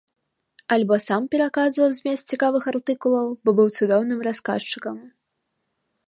Альбо сам пераказваў змест цікавых артыкулаў, бо быў цудоўным расказчыкам.